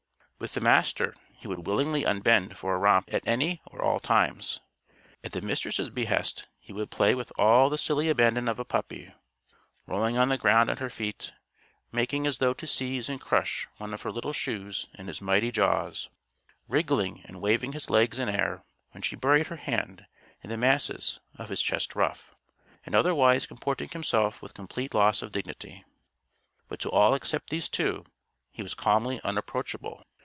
With the Master, he would willingly unbend for a romp at any or all times. At the Mistress' behest he would play with all the silly abandon of a puppy; rolling on the ground at her feet, making as though to seize and crush one of her little shoes in his mighty jaws; wriggling and waving his legs in air when she buried her hand in the masses of his chest ruff; and otherwise comporting himself with complete loss of dignity. But to all except these two, he was calmly unapproachable.